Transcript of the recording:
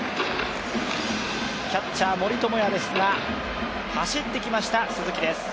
キャッチャー森友哉ですが走ってきました、鈴木です。